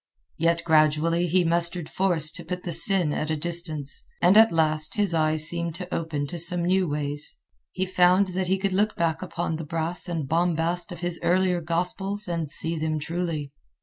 Yet gradually he mustered force to put the sin at a distance. And at last his eyes seemed to open to some new ways. He found that he could look back upon the brass and bombast of his earlier gospels and see them truly.